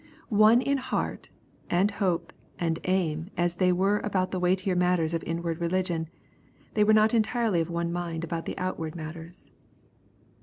One in heart, and hope, and aim, as they were about the weightier matters of inward religion, they were not entirely of one mind about outward matters.